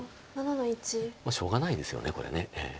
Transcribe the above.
しょうがないですよねこれ。